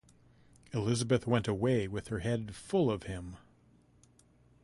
Elizabeth went away with her head full of him.